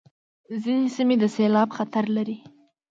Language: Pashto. ځینې سیمې د سېلاب خطر لري.